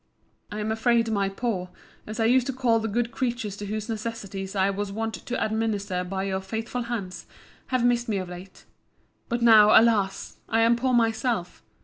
I am afraid my Poor, as I used to call the good creatures to whose necessities I was wont to administer by your faithful hands, have missed me of late. But now, alas! I am poor myself.